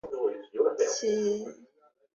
以下各型号请分别参见其主题条目。